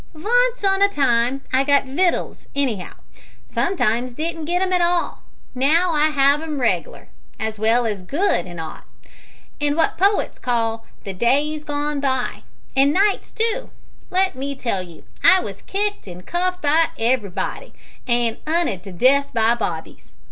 Vunce on a time I got wittles any'ow sometimes didn't get 'em at all; now I 'ave 'em riglar, as well as good, an' 'ot. In wot poets call `the days gone by' an' nights too, let me tell you I wos kicked an' cuffed by everybody, an' 'unted to death by bobbies.